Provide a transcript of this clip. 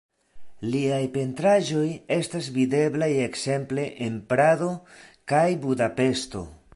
Liaj pentraĵoj estas videblaj ekzemple en Prado kaj Budapeŝto.